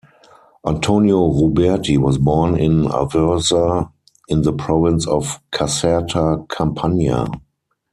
Antonio Ruberti was born in Aversa in the province of Caserta, Campania.